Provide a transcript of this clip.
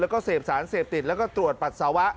แล้วก็เสพสารเสพติดแล้วก็ตรวจปัสสาวะ